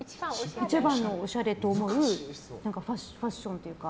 一番おしゃれと思うファッションというか。